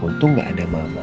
untung gak ada mama